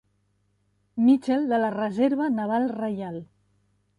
Mitchell de la Reserva Naval Reial.